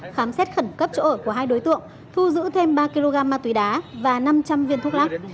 khám xét khẩn cấp chỗ ở của hai đối tượng thu giữ thêm ba kg ma túy đá và năm trăm linh viên thuốc lắc